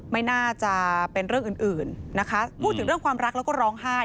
ไม่น่าจะเป็นเรื่องอื่นอื่นนะคะพูดถึงเรื่องความรักแล้วก็ร้องไห้